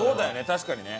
確かにね。